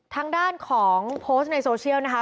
ทางด้านของโพสต์ในโซเชียลนะคะ